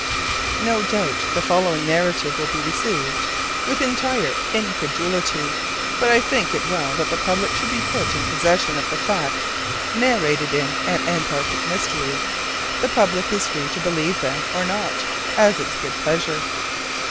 No doubt the following narrative will be received with entire incredulity, but I think it well that the public should be put in possession of the facts narrated in "An Antarctic Mystery." The public is free to believe them or not, at its good pleasure.